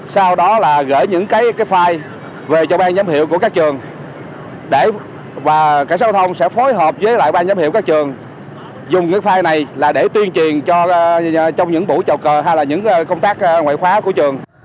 sau đó là gửi những cái file về cho ban giám hiệu của các trường và cảnh sát giao thông sẽ phối hợp với lại ban giám hiệu các trường dùng cái file này là để tuyên truyền trong những buổi trò cờ hay là những công tác ngoại khóa của trường